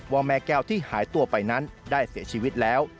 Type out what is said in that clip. ว่าแม่แก้วที่หายตัวไปนั้นได้เสียชีวิตแล้ว